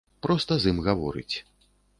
Проста з ім гаворыць.